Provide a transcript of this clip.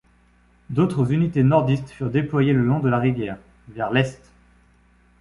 D'autres unités nordistes furent déployées le long de la rivière, vers l'est.